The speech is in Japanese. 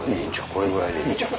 これぐらいでいいんちゃう？